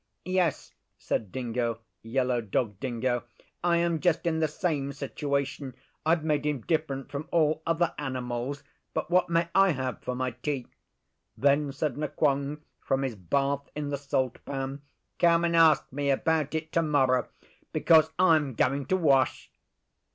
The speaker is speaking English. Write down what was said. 'Yes,' said Dingo Yellow Dog Dingo, 'I am just in the same situation. I've made him different from all other animals; but what may I have for my tea?' Then said Nqong from his bath in the salt pan, 'Come and ask me about it tomorrow, because I'm going to wash.